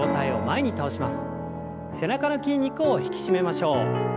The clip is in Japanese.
背中の筋肉を引き締めましょう。